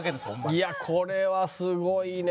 いやこれはすごいね。